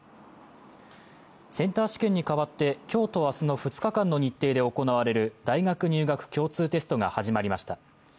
センター試験に代わって今日と明日の２日間の日程で行われる大学入学共通テストが始まりました。